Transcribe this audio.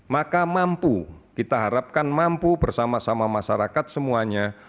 maka mampu kita harapkan mampu bersama sama masyarakat semuanya